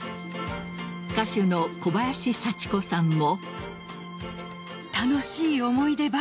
歌手の小林幸子さんも。